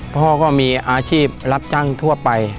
พ่อก็มีอาชีพรับจ้างทั่วไป